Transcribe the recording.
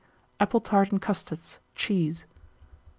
Apple tart and custards, cheese.